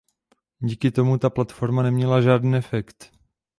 Díky tomu tato platforma neměla žádný efekt.